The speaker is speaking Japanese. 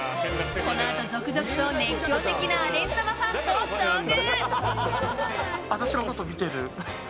このあと続々と熱狂的なアレン様ファンと遭遇！